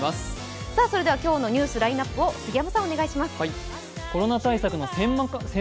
それでは今日のニュースラインナップを杉山さん、お願いします。